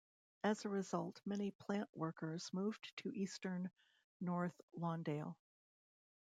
As a result, many plant workers moved to eastern North Lawndale.